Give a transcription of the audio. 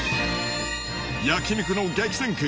焼肉の激戦区